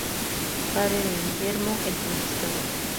Padre de Guillermo el Conquistador.